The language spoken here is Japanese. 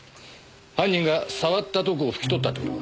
犯人が触ったとこを拭き取ったって事か？